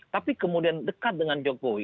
tapi kemudian dekat dengan jokowi